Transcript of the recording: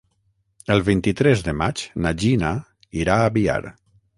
El vint-i-tres de maig na Gina irà a Biar.